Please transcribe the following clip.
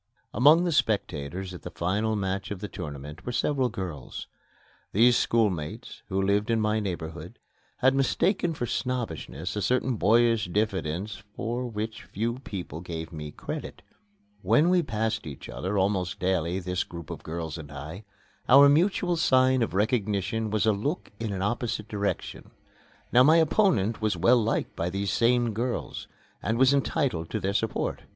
Among the spectators at the final match of the tournament were several girls. These schoolmates, who lived in my neighborhood, had mistaken for snobbishness a certain boyish diffidence for which few people gave me credit. When we passed each other, almost daily, this group of girls and I, our mutual sign of recognition was a look in an opposite direction. Now my opponent was well liked by these same girls and was entitled to their support.